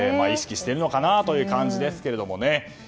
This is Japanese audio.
意識しているのかなという感じですけどね。